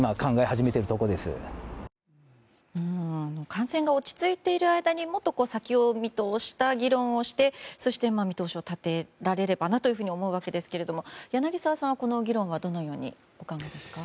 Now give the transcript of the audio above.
感染が落ち着いている間にもっと先を見通した議論をしてそして見通しを立てられればなと思うわけですけれども柳澤さんはこの議論はどういうふうにお考えですか？